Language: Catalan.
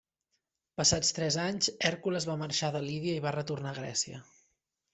Passats tres anys, Hèrcules va marxar de Lídia i va retornar a Grècia.